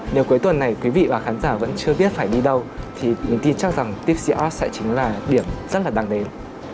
nếu cuối tuần này quý vị và khán giả vẫn chưa biết phải đi đâu thì mình tin chắc rằng tiếp xiot sẽ chính là điểm rất là đáng đến